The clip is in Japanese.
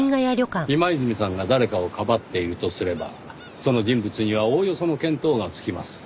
今泉さんが誰かをかばっているとすればその人物にはおおよその見当がつきます。